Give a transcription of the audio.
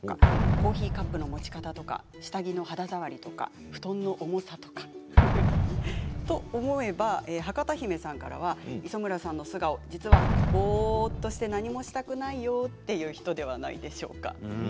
コーヒーカップの持ち方とか下着の肌触りとか布団の重さとか。と思えば、博多の方からは実は、ぼうっとして何もしたくないよという人ではないかと。